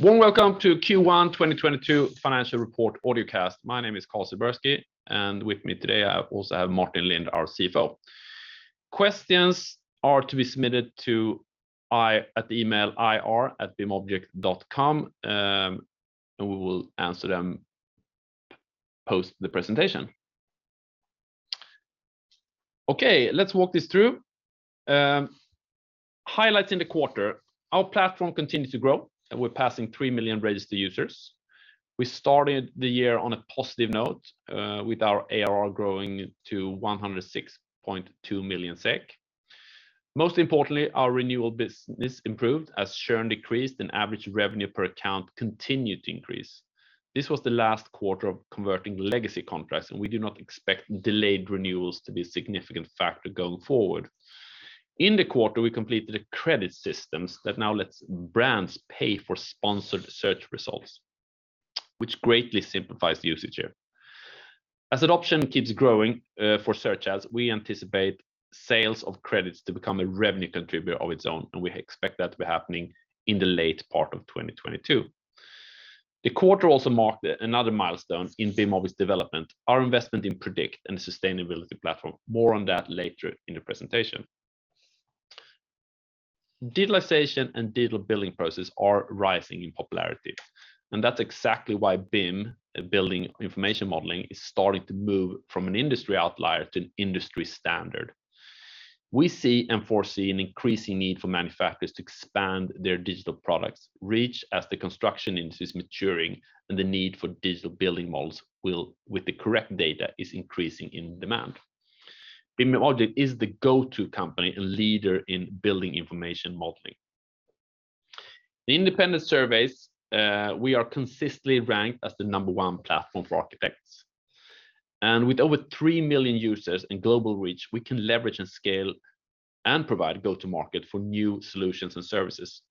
Warm welcome to Q1 2022 financial report audio cast. My name is Carl Silbersky, and with me today I also have Martin Lindh, our CFO. Questions are to be submitted to ir@bimobject.com, and we will answer them post the presentation. Let's walk this through. Highlights in the quarter. Our platform continued to grow, and we're passing 3 million registered users. We started the year on a positive note, with our ARR growing to 106.2 million SEK. Most importantly, our renewal business improved as churn decreased and average revenue per account continued to increase. This was the last quarter of converting legacy contracts, and we do not expect delayed renewals to be a significant factor going forward. In the quarter, we completed the credit systems that now lets brands pay for sponsored search results, which greatly simplifies the usage here. As adoption keeps growing for Search ads, we anticipate sales of credits to become a revenue contributor of its own, and we expect that to be happening in the late part of 2022. The quarter also marked another milestone in BIMobject's development, our investment in Prodikt and the sustainability platform. More on that later in the presentation. Digitalization and digital building process are rising in popularity, and that's exactly why BIM, building information modeling, is starting to move from an industry outlier to an industry standard. We see and foresee an increasing need for manufacturers to expand their digital products' reach as the construction industry is maturing and the need for digital building models with the correct data is increasing in demand. BIMobject is the go-to company and leader in building information modeling. In independent surveys, we are consistently ranked as the number one platform for architects. With over 3 million users and global reach, we can leverage and scale and provide go-to-market for new solutions and services.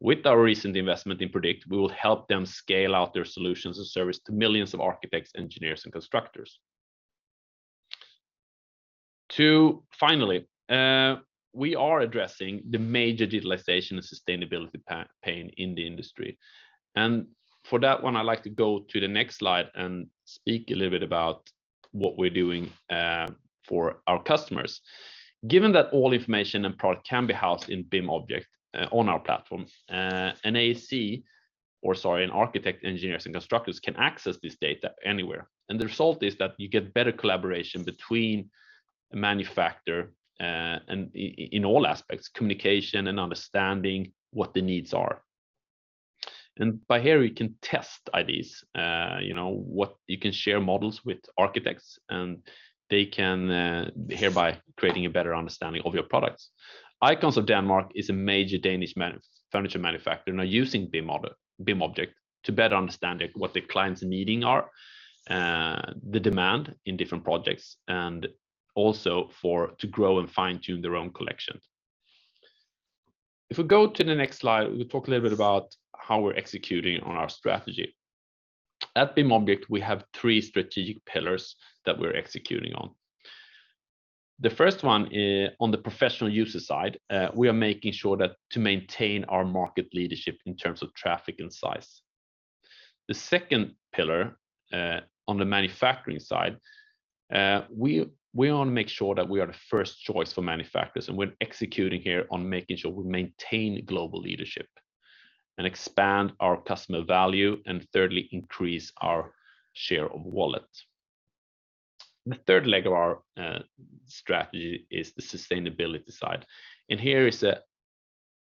With our recent investment in Prodikt, we will help them scale out their solutions and service to millions of architects, engineers, and constructors. Too, finally, we are addressing the major digitalization and sustainability pain in the industry. For that one, I'd like to go to the next slide and speak a little bit about what we're doing for our customers. Given that all information and product can be housed in BIMobject on our platform, an AEC, or sorry, an architect, engineers, and constructors can access this data anywhere. The result is that you get better collaboration between the manufacturer, and in all aspects, communication and understanding what the needs are. Thereby, we can test ideas. You know what? You can share models with architects, and they can hereby creating a better understanding of your products. Icons of Denmark is a major Danish office furniture manufacturer now using BIMobject to better understand, like, what the clients' needs are, the demand in different projects and also to grow and fine-tune their own collection. If we go to the next slide, we'll talk a little bit about how we're executing on our strategy. At BIMobject, we have three strategic pillars that we're executing on. The first one on the professional user side, we are making sure that to maintain our market leadership in terms of traffic and size. The second pillar, on the manufacturing side, we want to make sure that we are the first choice for manufacturers, and we're executing here on making sure we maintain global leadership and expand our customer value and thirdly, increase our share of wallet. The third leg of our strategy is the sustainability side.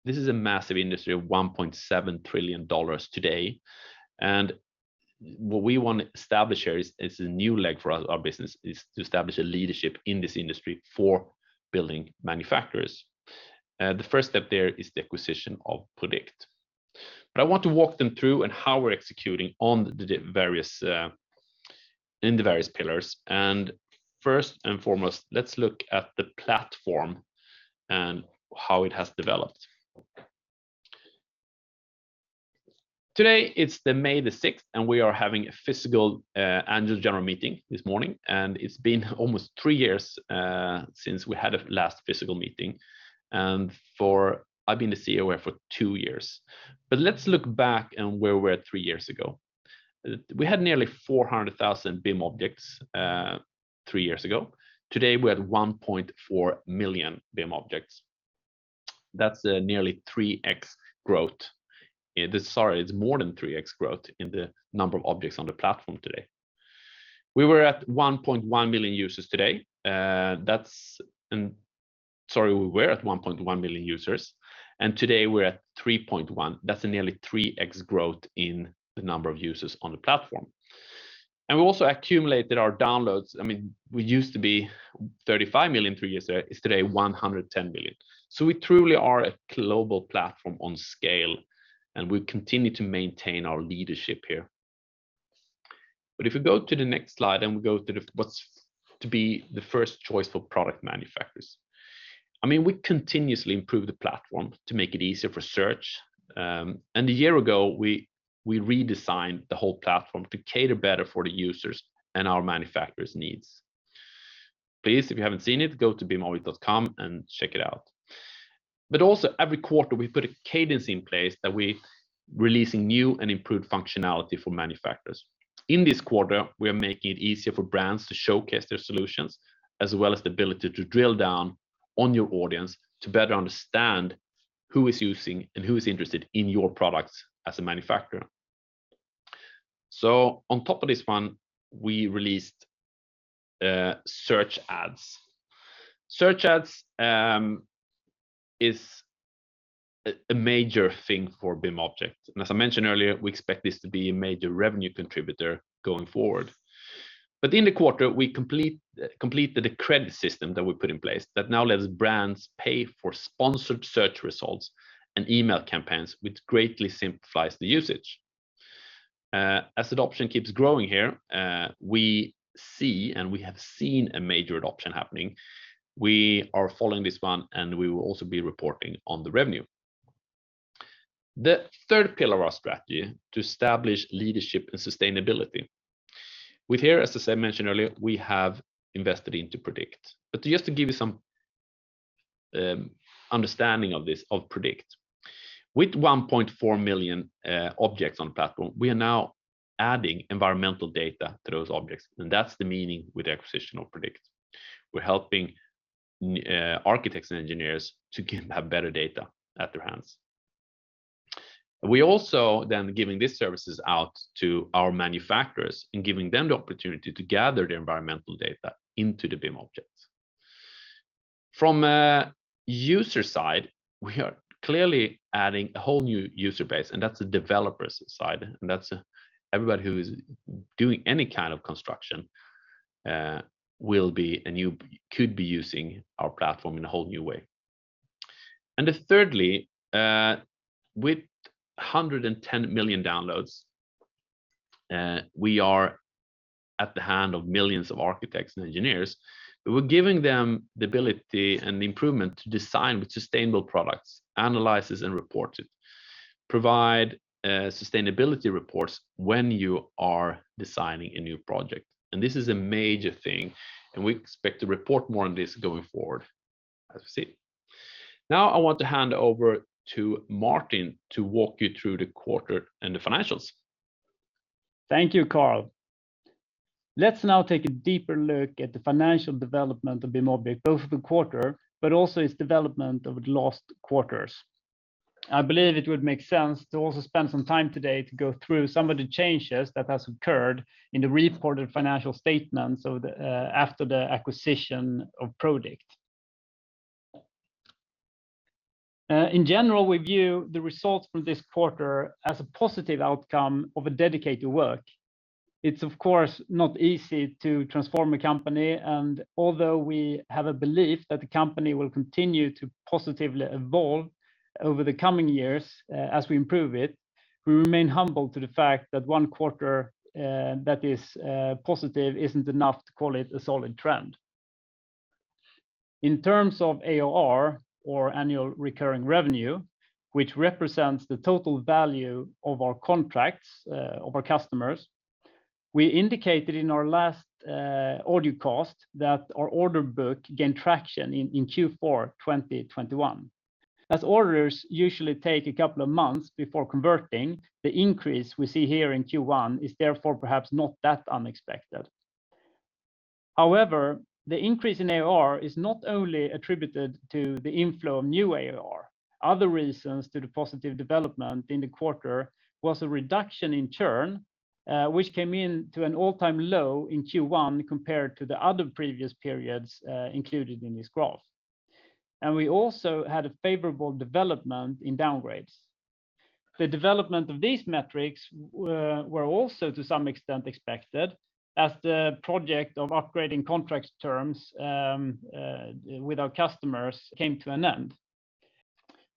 This is a massive industry of $1.7 trillion today. We want to establish here a new leg for our business, to establish leadership in this industry for building manufacturers. The first step there is the acquisition of Prodikt. I want to walk them through on how we're executing on the various pillars. First and foremost, let's look at the platform and how it has developed. Today, it's May the sixth, and we are having a physical annual general meeting this morning. It's been almost three years since we had a last physical meeting. I've been the CFO for two years. Let's look back on where we were three years ago. We had nearly 400,000 BIM objects three years ago. Today, we're at 1.4 million BIM objects. That's nearly 3x growth. It's more than 3x growth in the number of objects on the platform today. We were at 1.1 million users, and today we're at 3.1. That's a nearly 3x growth in the number of users on the platform. We also accumulated our downloads. I mean, we used to be 35 million three years ago. It's today 110 million. We truly are a global platform on scale, and we continue to maintain our leadership here. If we go to the next slide, and we go to the what's to be the first choice for product manufacturers. I mean, we continuously improve the platform to make it easier for search. A year ago, we redesigned the whole platform to cater better for the users and our manufacturers' needs. Please, if you haven't seen it, go to bimobject.com and check it out. Also every quarter, we put a cadence in place that we're releasing new and improved functionality for manufacturers. In this quarter, we are making it easier for brands to showcase their solutions, as well as the ability to drill down on your audience to better understand who is using and who is interested in your products as a manufacturer. On top of this one, we released Search ads. Search ads is a major thing for BIMobject, and as I mentioned earlier, we expect this to be a major revenue contributor going forward. In the quarter, we completed the credit system that we put in place that now lets brands pay for sponsored search results and email campaigns, which greatly simplifies the usage. As adoption keeps growing here, we see and we have seen a major adoption happening. We are following this one, and we will also be reporting on the revenue. The third pillar of our strategy, to establish leadership and sustainability. With this, as I mentioned earlier, we have invested into Prodikt. Just to give you some understanding of this, of Prodikt, with 1.4 million objects on the platform, we are now adding environmental data to those objects, and that's the meaning with acquisition of Prodikt. We're helping architects and engineers to have better data at their hands. We also then giving these services out to our manufacturers and giving them the opportunity to gather the environmental data into the BIM objects. From a user side, we are clearly adding a whole new user base, and that's the developers side, and that's everybody who is doing any kind of construction could be using our platform in a whole new way. Thirdly, with 110 million downloads, we are in the hands of millions of architects and engineers, but we're giving them the ability and the improvement to design with sustainable products, analyze this, and report it, provide sustainability reports when you are designing a new project. This is a major thing, and we expect to report more on this going forward, as you see. Now I want to hand over to Martin to walk you through the quarter and the financials. Thank you, Carl. Let's now take a deeper look at the financial development of BIMobject, both the quarter, but also its development over the last quarters. I believe it would make sense to also spend some time today to go through some of the changes that has occurred in the reported financial statements of the, after the acquisition of Prodikt. In general, we view the results from this quarter as a positive outcome of a dedicated work. It's of course not easy to transform a company, and although we have a belief that the company will continue to positively evolve over the coming years, as we improve it, we remain humble to the fact that one quarter, that is, positive isn't enough to call it a solid trend. In terms of ARR, or annual recurring revenue, which represents the total value of our contracts of our customers, we indicated in our last audiocast that our order book gained traction in Q4 2021. As orders usually take a couple of months before converting, the increase we see here in Q1 is therefore perhaps not that unexpected. However, the increase in ARR is not only attributed to the inflow of new ARR. Other reasons to the positive development in the quarter was a reduction in churn, which came in to an all-time low in Q1 compared to the other previous periods included in this graph. We also had a favorable development in downgrades. The development of these metrics were also to some extent expected as the project of upgrading contract terms with our customers came to an end.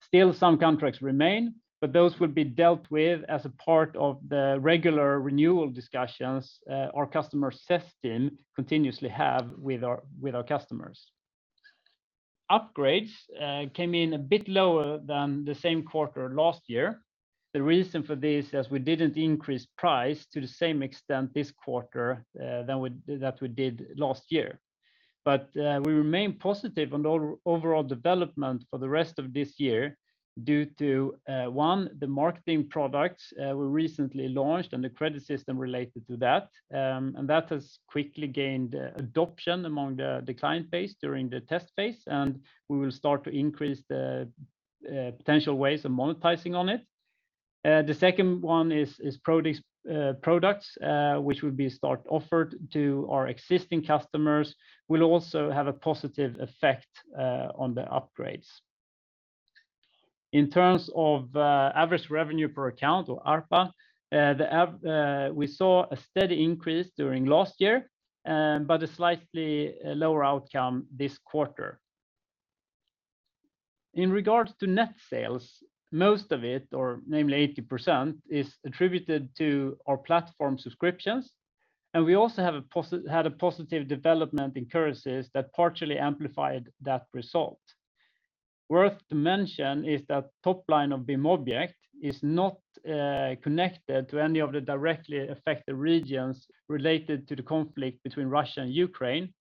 Still some contracts remain, but those will be dealt with as a part of the regular renewal discussions our customer sales team continuously have with our customers. Upgrades came in a bit lower than the same quarter last year. The reason for this is we didn't increase price to the same extent this quarter than we did last year. We remain positive on the overall development for the rest of this year due to one, the marketing products we recently launched and the credit system related to that. That has quickly gained adoption among the client base during the test phase, and we will start to increase the potential ways of monetizing on it. The second one is products, which will be start offered to our existing customers, will also have a positive effect on the upgrades. In terms of average revenue per account or ARPA, we saw a steady increase during last year, but a slightly lower outcome this quarter. In regards to net sales, most of it, or namely 80%, is attributed to our platform subscriptions, and we also had a positive development in currencies that partially amplified that result. Worth to mention is that top line of BIMobject is not connected to any of the directly affected regions related to the conflict between Russia and Ukraine.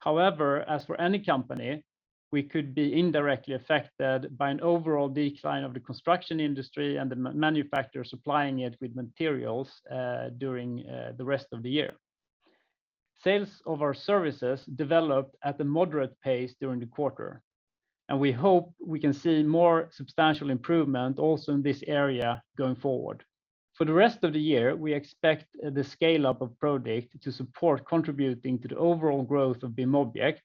However, as for any company, we could be indirectly affected by an overall decline of the construction industry and the manufacturers supplying it with materials during the rest of the year. Sales of our services developed at a moderate pace during the quarter, and we hope we can see more substantial improvement also in this area going forward. For the rest of the year, we expect the scale-up of Prodikt to support contributing to the overall growth of BIMobject,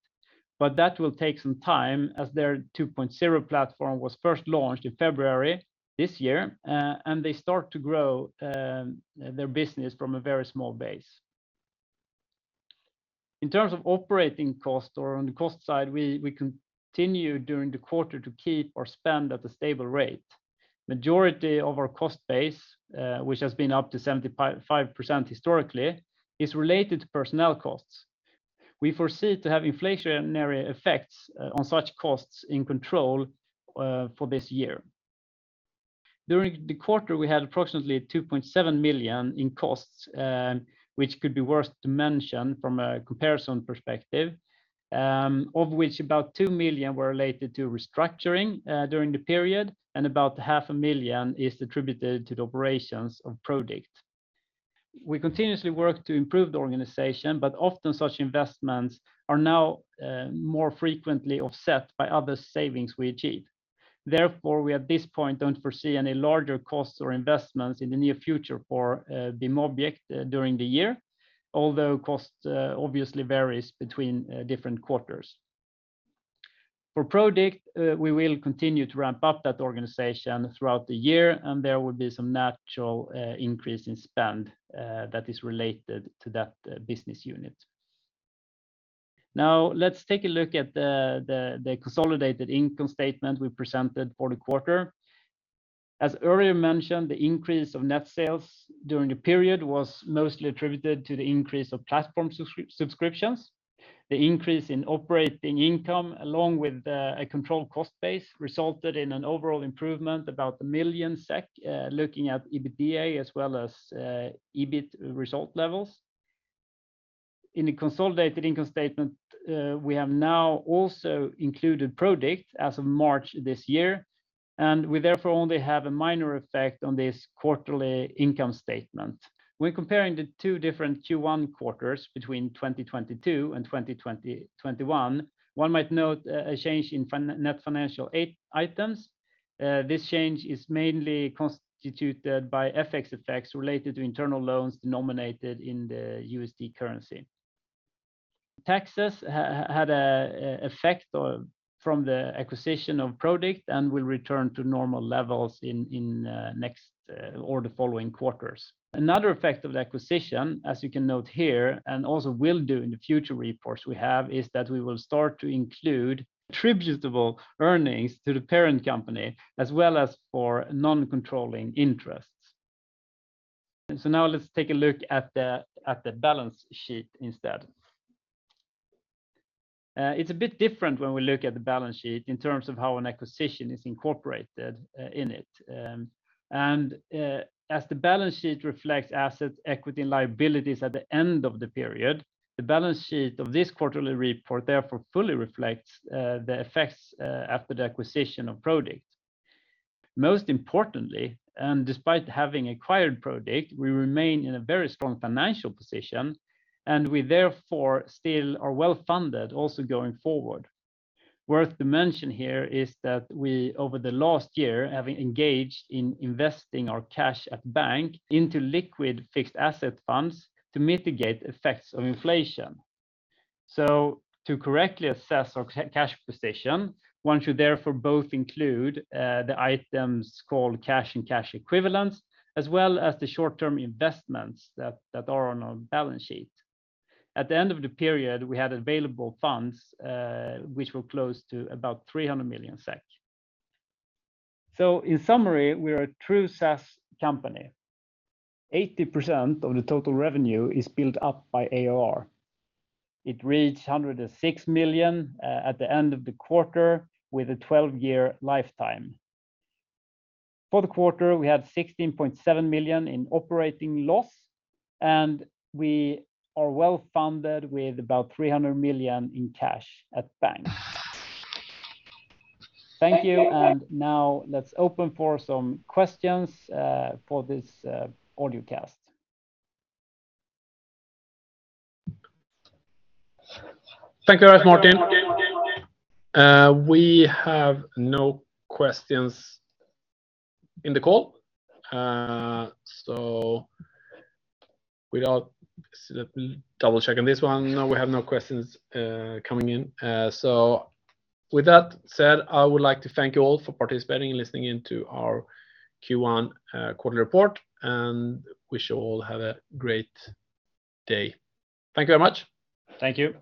but that will take some time as their 2.0 platform was first launched in February this year, and they start to grow their business from a very small base. In terms of operating cost or on the cost side, we continued during the quarter to keep our spend at a stable rate. Majority of our cost base, which has been up to 75% historically, is related to personnel costs. We foresee to have inflationary effects on such costs in control for this year. During the quarter, we had approximately 2.7 million in costs, which could be worth to mention from a comparison perspective, of which about 2 million were related to restructuring during the period, and about SEK half a million is attributed to the operations of Prodikt. We continuously work to improve the organization, but often such investments are now more frequently offset by other savings we achieve. Therefore, we at this point don't foresee any larger costs or investments in the near future for BIMobject during the year, although cost obviously varies between different quarters. For Prodikt, we will continue to ramp up that organization throughout the year, and there will be some natural increase in spend that is related to that business unit. Now let's take a look at the consolidated income statement we presented for the quarter. As earlier mentioned, the increase of net sales during the period was mostly attributed to the increase of platform subscriptions. The increase in operating income, along with a controlled cost base, resulted in an overall improvement about 1 million SEK, looking at EBITDA as well as EBIT result levels. In the consolidated income statement, we have now also included Prodikt as of March this year, and we therefore only have a minor effect on this quarterly income statement. When comparing the two different Q1 quarters between 2022 and 2021, one might note a change in net financial items. This change is mainly constituted by FX effects related to internal loans denominated in the USD currency. Taxes had an effect from the acquisition of Prodikt and will return to normal levels in the following quarters. Another effect of the acquisition, as you can note here, and also will do in the future reports we have, is that we will start to include attributable earnings to the parent company as well as for non-controlling interests. Now let's take a look at the balance sheet instead. It's a bit different when we look at the balance sheet in terms of how an acquisition is incorporated in it. As the balance sheet reflects assets, equity, and liabilities at the end of the period, the balance sheet of this quarterly report therefore fully reflects the effects after the acquisition of Prodikt. Most importantly, and despite having acquired Prodikt, we remain in a very strong financial position, and we therefore still are well-funded also going forward. Worth to mention here is that we, over the last year, have engaged in investing our cash at bank into liquid fixed asset funds to mitigate effects of inflation. To correctly assess our cash position, one should therefore both include the items called cash and cash equivalents, as well as the short-term investments that are on our balance sheet. At the end of the period, we had available funds, which were close to about 300 million SEK. In summary, we are a true SaaS company. 80% of the total revenue is built up by ARR. It reached 106 million at the end of the quarter with a 12-year lifetime. For the quarter, we had 16.7 million in operating loss, and we are well-funded with about 300 million in cash at bank. Thank you, and now let's open for some questions for this audiocast. Thank you very much, Martin. We have no questions in the call. Let me double-check on this one. No, we have no questions coming in. With that said, I would like to thank you all for participating and listening in to our Q1 quarterly report, and wish you all have a great day. Thank you very much. Thank you.